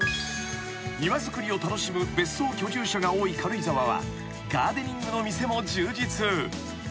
［庭造りを楽しむ別荘居住者が多い軽井沢はガーデニングの店も充実］